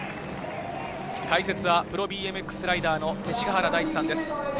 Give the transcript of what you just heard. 解説はプロＢＭＸライダー、勅使川原大地さんです。